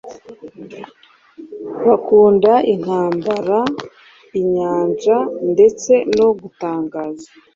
bakunda intambarainyanjandetse no gutangaza